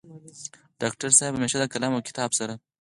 ډاکټر صيب همېشه د قلم او کتاب سره